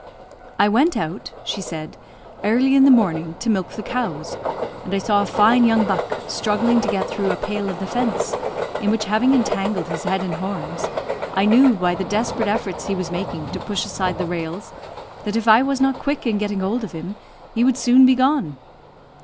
"I went out," she said, "early in the morning, to milk the cows, and I saw a fine young buck struggling to get through a pale of the fence, in which having entangled his head and horns, I knew, by the desperate efforts he was making to push aside the rails, that if I was not quick in getting hold of him, he would soon be gone."